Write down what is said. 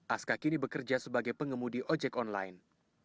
aska kini bekerja sebagai pengemudi ojek online